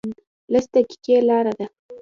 لس دقیقې لاره ده